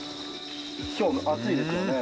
今日暑いですよねでも。